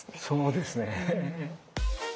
そうですね。